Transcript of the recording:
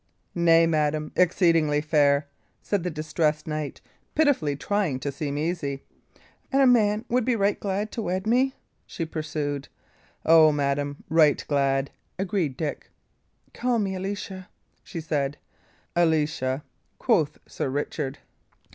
"Nay, madam, exceedingly fair," said the distressed knight, pitifully trying to seem easy. "And a man would be right glad to wed me?" she pursued. "O, madam, right glad!" agreed Dick. "Call me Alicia," said she. "Alicia," quoth Sir Richard.